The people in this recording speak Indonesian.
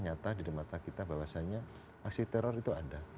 nyata di mata kita bahwasannya aksi teror itu ada